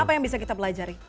apa yang bisa kita pelajari